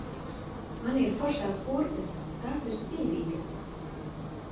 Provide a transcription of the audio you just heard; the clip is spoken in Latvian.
Man ir foršās kurpes, tās ir spīdīgas!